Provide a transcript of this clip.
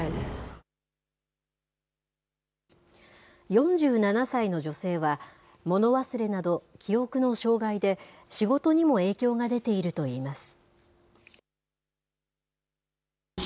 ４７歳の女性は、物忘れなど記憶の障害で、仕事にも影響が出ているといいます。